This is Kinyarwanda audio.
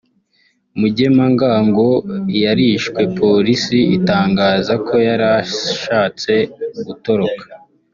Mugemangango yarishwe Polisi itangaza ko yari ashatse gutoroka